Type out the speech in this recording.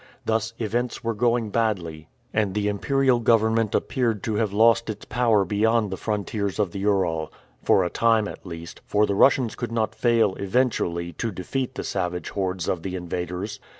Thus events were going badly, and the imperial government appeared to have lost its power beyond the frontiers of the Ural for a time at least, for the Russians could not fail eventually to defeat the savage hordes of the invaders.